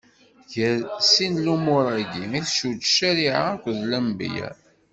Ɣer sin n lumuṛ-agi i tcudd ccariɛa akked lenbiya.